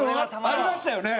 ありましたよね。